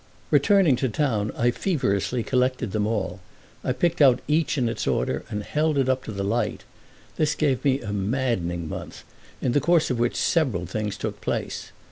RETURNING to town I feverishly collected them all; I picked out each in its order and held it up to the light. This gave me a maddening month, in the course of which several things took place.